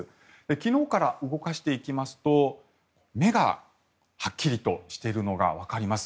昨日から動かしていきますと目がはっきりとしているのがわかります。